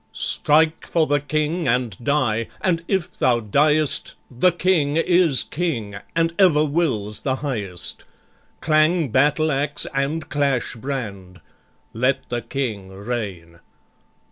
"Strike for the King and die! and if thou diest, The King is King, and ever wills the highest. Clang battle axe, and clash brand! Let the King reign.